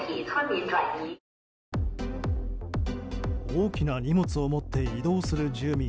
大きな荷物を持って移動する住民。